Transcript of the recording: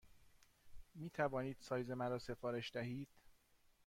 می توانید سایز مرا سفارش دهید؟